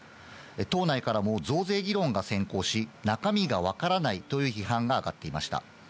党内からも増税議論が先行し、中身がわからないという批判が上がっていました。